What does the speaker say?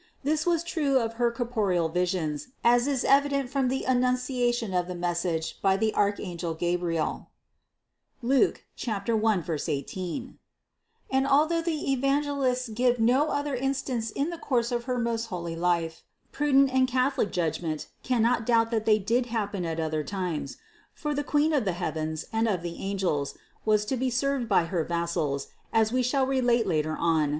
This was true of her corporeal visions, as is evident from the Annunciation of the message by the archangel Gabriel (Luc. 1, 18), and although the Evan gelists give no other instance in the course of her most holy life, prudent and Catholic judgment cannot doubt that they did happen at other times, for the Queen of the heavens and of the angels was to be served by her vassals, as we shall relate later on (No.